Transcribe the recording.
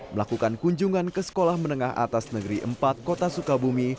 melakukan kunjungan ke sekolah menengah atas negeri empat kota sukabumi